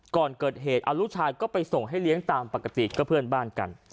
ก่อนเกิดเหตุเอาลูกชายก็ไปส่งให้เลี้ยงตามปกติก็เพื่อนบ้านกัน